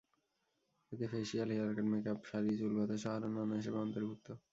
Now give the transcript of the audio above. এতে facial, hair cut, makeup, sari, চুল বাঁধাসহ আরও নানা সেবা অন্তর্ভুক্ত।